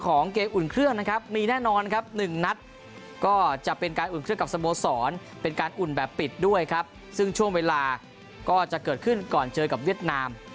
ก็จะเคยขึ้นก่อนเคยกับเวียดนาม